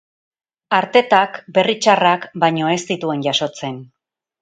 Artetak berri txarrak baino ez zituen jasotzen.